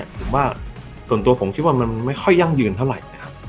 ผมว่าส่วนตัวผมคิดว่ามันไม่ค่อยยั่งยืนเท่าไหร่นะครับ